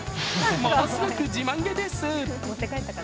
ものすごく自慢げです。